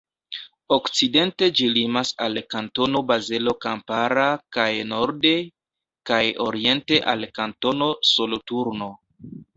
Okcidente ĝi limas al Kantono Bazelo Kampara kaj norde kaj oriente al Kantono Soloturno.